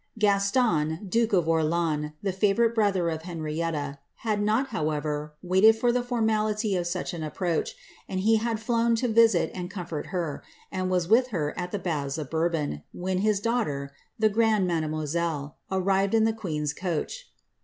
* Gaston, duke of Orleans, the favourite brother of Henrietta, had nc however, waited for the formality of such an approach ; he had floi to visit and comfort her, and was with her at the baths of Bourbo when his daughter, the grande mademoiselle^ arrived in the queen coach.